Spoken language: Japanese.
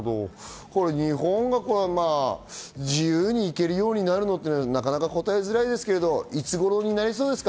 日本が自由に行けるようになるのはなかなか答えづらいですけど、いつごろになりそうですか？